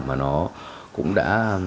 mà nó cũng đã